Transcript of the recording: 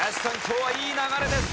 今日はいい流れです。